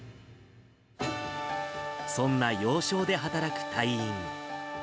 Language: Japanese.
そんな要衝で働く隊員。